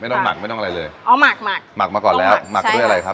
ต้องหมักไม่ต้องอะไรเลยอ๋อหมักหมักหมักมาก่อนแล้วหมักด้วยอะไรครับ